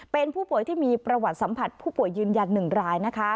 เป็นผู้ป่วยที่มีประวัติสัมผัสผู้ป่วยยืนยัน๑รายนะคะ